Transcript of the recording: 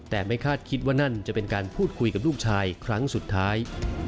แต่ไม่คาดคิดว่านั่นจะเป็นการพูดคุยกับลูกชายครั้งสุดท้าย